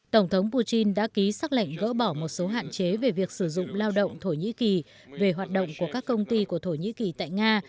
tổng thống putin đã ký xác lệnh gỡ bỏ một số hạn chế về việc sử dụng lao động thổ nhĩ kỳ về hoạt động của các công ty của thổ nhĩ kỳ tại nga